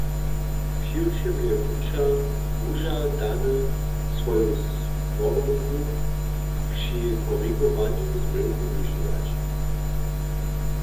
Přiwšěm je wučer wužadany, swoju swobodu při korigowanju zmylkow wužiwać.